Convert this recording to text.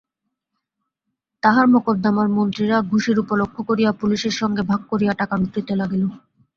তাঁহার মকদ্দমার মন্ত্রীরা ঘুষের উপলক্ষ করিয়া পুলিসের সঙ্গে ভাগ করিয়া টাকা লুটিতে লাগিল।